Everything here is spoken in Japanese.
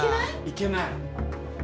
いけない。